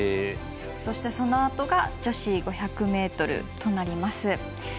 そして、そのあとが女子５００ｍとなります。